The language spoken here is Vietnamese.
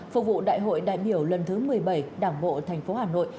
phục vụ đại hội đại biểu lần thứ một mươi bảy đảng bộ tp hà nội